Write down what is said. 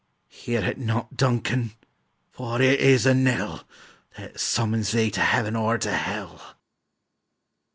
Hear it not, Duncan; for it is a knell That summons thee to heaven or to hell.